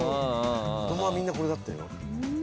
子供はみんなこれだったよ。